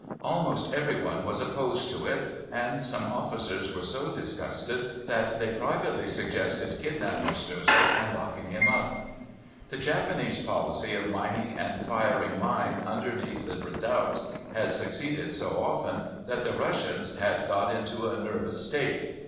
Almost every one was opposed to it, and some officers were so disgusted that they privately suggested kidnapping Stoessel and locking him up. The Japanese policy of mining and firing mines under the redoubts had succeeded so often that the Russians had got into a nervous state.